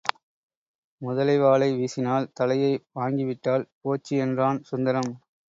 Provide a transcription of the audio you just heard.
முதலை வாலை வீசினால் தலையை வாங்கிவிட்டால் போச்சு என்றான் சுந்தரம்.